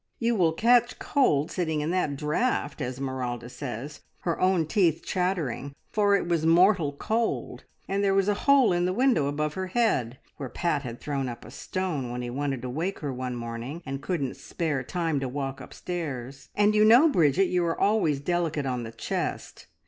`You will catch cold sitting in that draught!' Esmeralda says, her own teeth chattering, for it was mortal cold, and there was a hole in the window above her head, where Pat had thrown up a stone when he wanted to wake her one morning, and couldn't spare time to walk upstairs. `And you know, Bridget, you are always delicate on the chest.'